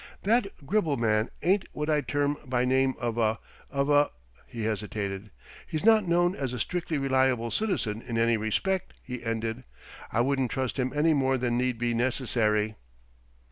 "That Gribble man ain't what I'd term by name of a of a " He hesitated. "He's not known as a strictly reliable citizen in any respect," he ended. "I wouldn't trust him any more than need be necessary."